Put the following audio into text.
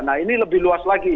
nah ini lebih luas lagi